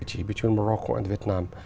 giữa morocco và việt nam